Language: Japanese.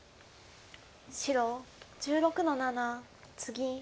白１６の七ツギ。